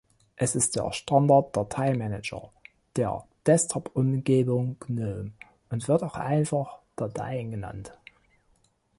Es ist der Standard-Dateimanager der Desktop-Umgebung Gnome und wird auch einfach "Dateien" genannt.